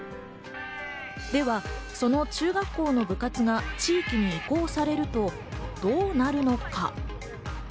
では、その中学校の部活が地域に移行されるとどうなるのか？